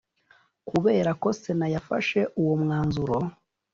kubera ko Sena yafashe uwo mwanzuro